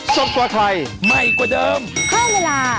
โปรดติดตามตอนต่อไป